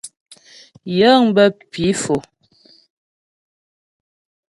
Yəŋ bə pǐ Fò.